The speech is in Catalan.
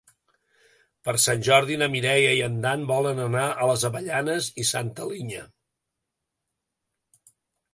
Per Sant Jordi na Mireia i en Dan volen anar a les Avellanes i Santa Linya.